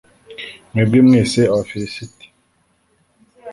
Mwebwe mwese, Abafilisiti,